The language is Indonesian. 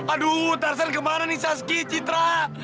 aduh tarsen kemana nih saski citra